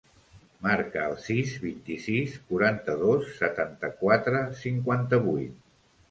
Marca el sis, vint-i-sis, quaranta-dos, setanta-quatre, cinquanta-vuit.